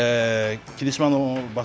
霧島の場所